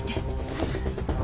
はい。